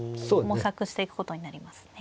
模索していくことになりますね。